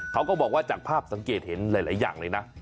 เขาก็บอกว่าจากภาพสังเกตเห็นหลายอย่างเลยนะ